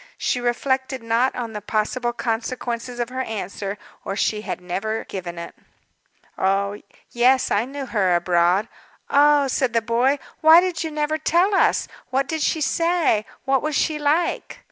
She reflected not on the possible consequences of her answer, or she had never given it. "Yes, I knew her abroad." "Oh!" said the boy. "Why did you never tell us? What did she say? What was she like?"